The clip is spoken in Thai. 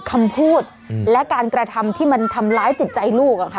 คำพูดและการกระทำที่มันทำร้ายจิตใจลูก